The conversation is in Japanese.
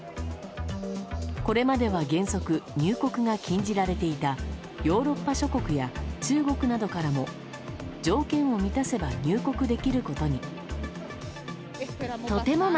これまでは、原則入国が禁じられていたヨーロッパ諸国や中国などからも条件を満たせば入国できることに。